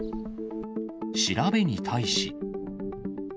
調べに対し。